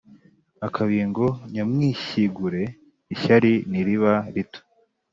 Akabingo nyamwishyigure-Ishyari ntiriba rito.